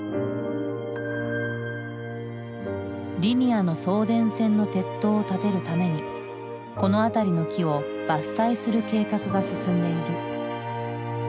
リニアの送電線の鉄塔を建てるためにこの辺りの木を伐採する計画が進んでいる。